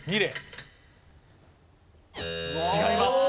違います。